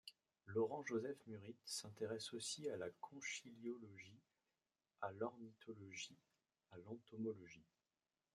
Laurent-Joseph Murith s’intéresse aussi à la conchyliologie à l’ornithologie, à l’entomologie.